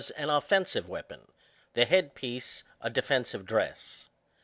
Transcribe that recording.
an offensive weapon, the head piece a defensive dress.